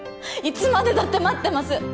いつまでだって待ってます